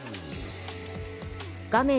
画面